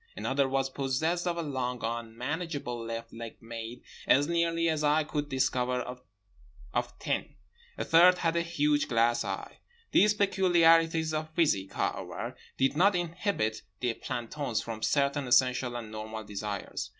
Another was possessed of a long unmanageable left leg made, as nearly as I could discover, of tin. A third had a huge glass eye. These peculiarities of physique, however, did not inhibit the plantons from certain essential and normal desires.